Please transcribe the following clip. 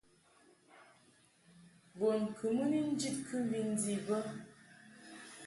Bun kɨ mɨ ni njid kɨmvi ndi bə.